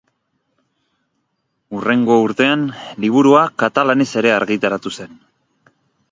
Hurrengo urtean liburua katalanez ere argitaratu zen.